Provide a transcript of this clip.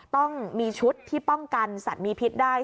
ป้องกันสัตว์มีพิษได้